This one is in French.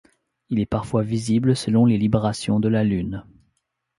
Il est parfois visible selon les librations de la Lune.